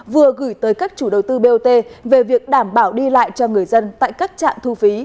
vừa gửi tới các chủ đầu tư bot về việc đảm bảo đi lại cho người dân tại các trạm thu phí